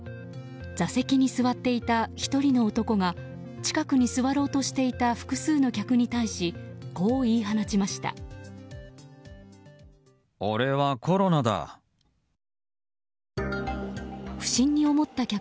座席に座っていた１人の男が近くに座ろうとしていた複数の客に対しこう言い放ちました。